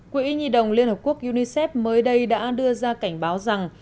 quỹ nhi đồng liên hợp quốc unicef mới đây đã đưa ra cảnh báo rằng